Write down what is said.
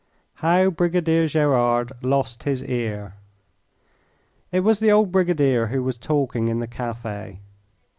How Brigadier Gerard Lost His Ear It was the old Brigadier who was talking in the cafe.